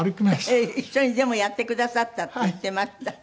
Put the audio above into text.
一緒にデモやってくださったって言っていました。